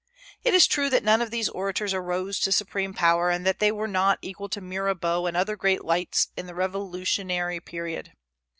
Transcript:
It is true that none of these orators arose to supreme power, and that they were not equal to Mirabeau and other great lights in the Revolutionary period.